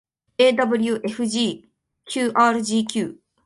ewfegqrgq